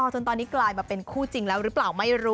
จนตอนนี้กลายมาเป็นคู่จริงแล้วหรือเปล่าไม่รู้